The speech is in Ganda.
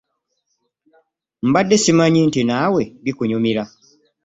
Mbadde ssimanyi nti naawe bikunyumira.